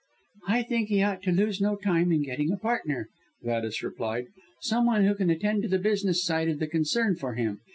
"I think he ought to lose no time in getting a partner," Gladys replied, "some one who can attend to the business side of the concern for him.